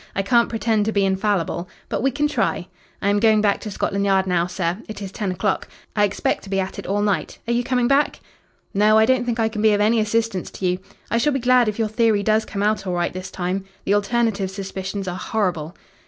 I can't pretend to be infallible. But we can try. I am going back to Scotland Yard now, sir. It is ten o'clock. I expect to be at it all night. Are you coming back?" "No, I don't think I can be of any assistance to you. I shall be glad if your theory does come out all right this time. The alternative suspicions are horrible.